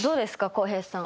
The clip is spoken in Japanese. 浩平さん